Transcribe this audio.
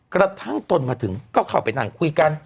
กระทั่งตนมาถึงก็เข้าไปนั่งคุยกัน